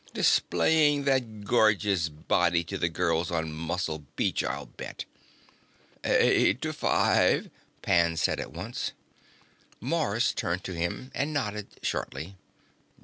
Displaying that gorgeous body to the girls on Muscle Beach, I'll bet." "Eight to five," Pan said at once. Mars turned to him and nodded shortly.